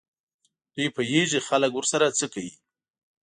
دوی پوهېږي خلک ورسره څه کوي.